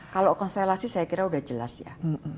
kalau konstelasi saya kira sudah jelas ya